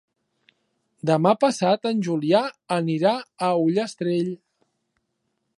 Demà passat en Julià anirà a Ullastrell.